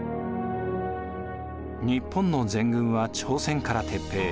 日本の全軍は朝鮮から撤兵。